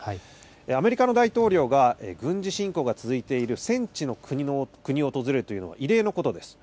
アメリカの大統領が、軍事侵攻が続いている戦地の国を訪れるというのは異例のことです。